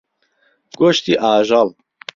گۆشتی ئاژەڵ.